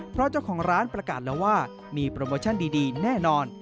เพราะเจ้าของร้านประกาศแล้วว่ามีโปรโมชั่นดีแน่นอน